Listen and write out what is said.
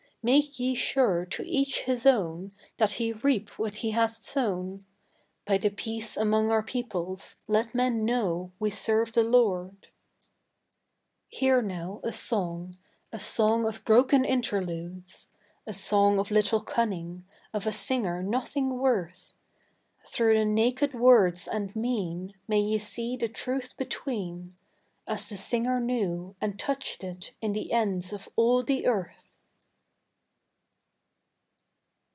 Make ye sure to each his own That he reap what he hath sown; By the peace among Our peoples let men know we serve the Lord._ _Hear now a song a song of broken interludes A song of little cunning; of a singer nothing worth. Through the naked words and mean May ye see the truth between As the singer knew and touched it in the ends of all the Earth!